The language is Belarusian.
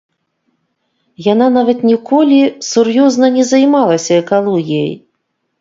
Яна нават ніколі сур'ёзна не займалася экалогіяй.